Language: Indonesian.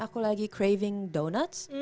aku lagi craving donuts